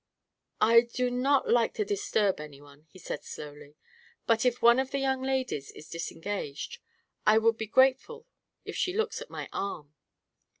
"I do not like to disturb anyone," he said slowly, "but if one of the young ladies is disengaged I would be grateful if she looks at my arm."